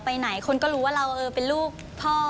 ไปไหนคนก็รู้ว่าเราเป็นลูกพ่อ